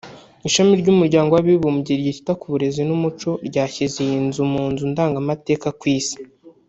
Ishami ry’umuryango w’abibumbye ryita ku burezi n’umuco ryashyize iyi nzu mu nzu ndangamateka ku Isi